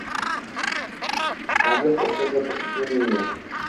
Název obce se postupně měnil.